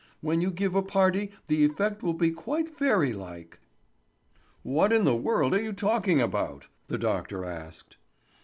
When you give a party the effect will be quite fairy like." "What in the world are you talking about?" the doctor asked.